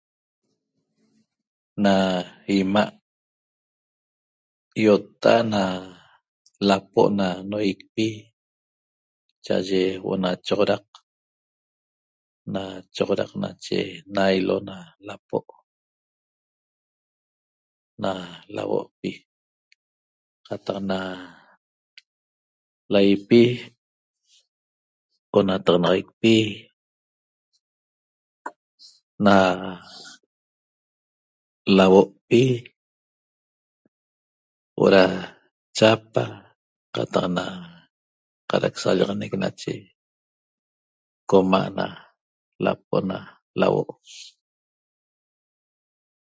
Na 'ima' ýotta'a't na lapo' na noýicpi cha'aye huo'o na choxodaq na choxodaq nache naýlo na lapo' na lauo'pi qataq na laýipi onataxanaxaicpi na lauo'pi huo'o da chapa qataq na cada'ac sallaxanec nache coma' na lapo' na lauo'